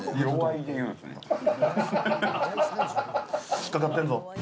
引っ掛かってんぞ。